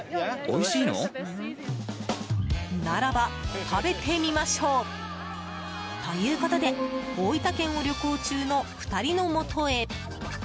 ならば、食べてみましょう！ということで大分県を旅行中の２人のもとへ。